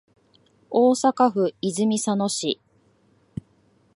大阪府泉佐野市